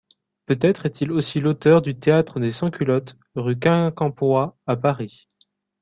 Peut-être est-il aussi l'auteur du Théâtre des Sans-Culottes, rue Quincampoix à Paris.